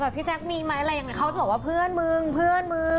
ว่าพี่แจ๊กมีมั้ยอะไรอย่างนี้เขาจะบอกว่าเพื่อนมึงเพื่อนมึง